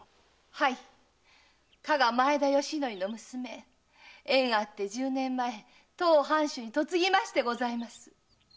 はい加賀前田吉徳の娘縁あって十年前当藩主に嫁ぎましてございます。